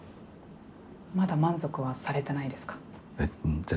まだ満足はされてないですか？